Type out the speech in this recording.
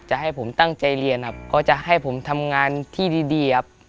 ให้ผมตั้งใจเรียนครับก็จะให้ผมทำงานที่ดีครับ